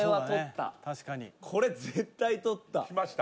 これ絶対とった。